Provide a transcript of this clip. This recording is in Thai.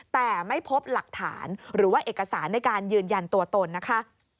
แต่ไม่พบหลักฐานหรือว่าเอกสารในการยืนยันตัวตนนะคะ